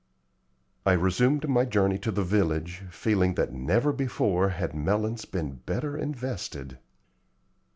I resumed my journey to the village, feeling that never before had melons been better invested.